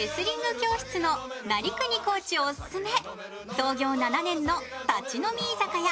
創業７年の立ち飲み居酒屋